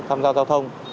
tham gia giao thông